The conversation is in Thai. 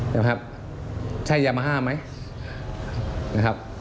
ใช่ยามาฮาหรือไม่